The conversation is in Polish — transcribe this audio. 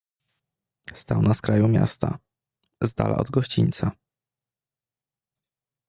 "Stał na skraju miasta, zdala od gościńca."